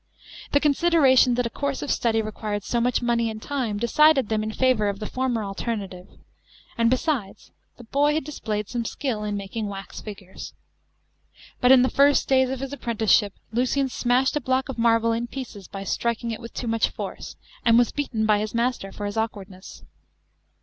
The consideration that a course of study renuired so much money and time decided them in favour of the former alternative ; and, besides, the boy had displayed some skill in making wax figures. But in the first days ot his apprenticeship Lucian smashed a block of marble in pieces, by striking it with too much force, and was beaten by his master for his awkwardness.